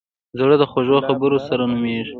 زړه د خوږو خبرو سره نرمېږي.